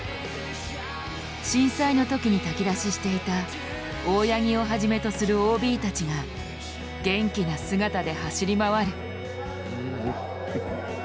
震災の時に炊き出ししていた大八木をはじめとするＯＢたちが元気な姿で走り回る。